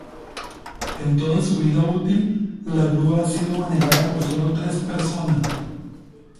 En toda su vida útil la grúa ha sido manejada por solo tres persona.